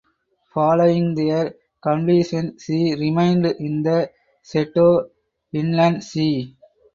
Following their completion she remained in the Seto Inland Sea.